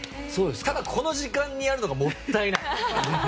ただ、この時間にやるのがもったいない。